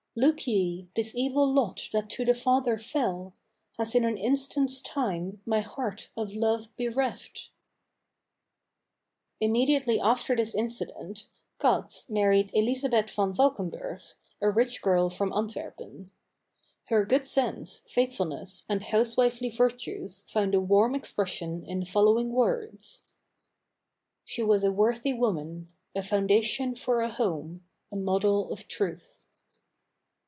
Look ye, this evil lot that to the father fell Has in an instant's time my heart of love bereft!" Immediately after this incident, Cats married Elizabeth van Valkenburg, a rich girl from Antwerpen. Her good sense, faithfulness, and housewifely virtues found a warm expression in the following words: "She was a worthy woman, A foundation for a home, a model of truth."